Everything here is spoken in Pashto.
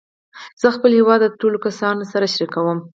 زه خپل هېواد د ټولو کسانو سره شریکوم.